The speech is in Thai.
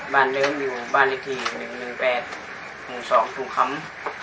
บ้านเดิมอยู่บ้านละที๑๑๘๒ถุงคำ